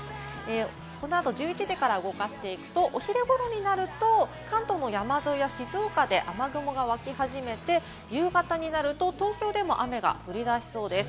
このあと１１時から動かしていくと、お昼頃になると関東の山沿いや静岡で雨雲が湧き始めて、夕方になると東京でも雨が降り出しそうです。